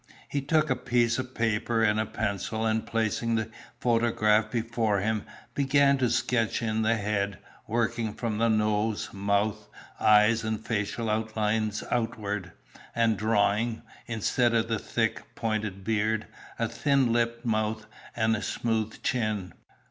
He took a piece of paper, and a pencil, and placing the photograph before him, began to sketch in the head, working from the nose, mouth, eyes and facial outlines outward, and drawing, instead of the thick, pointed beard, a thin lipped mouth and smooth chin.